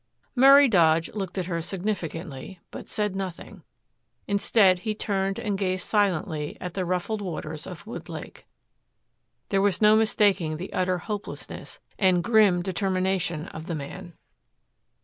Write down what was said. Murray Dodge looked at her significantly, but said nothing. Instead, he turned and gazed silently at the ruffled waters of Woodlake. There was no mistaking the utter hopelessness and grim determination of the man.